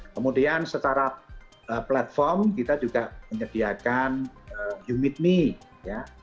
kemudian secara platform kita juga menyediakan humit me ya